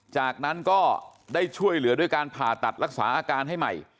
จากนั้นก็ได้ช่วยเหลือด้วยการผ่าตัดรักษาอาการให้ใหม่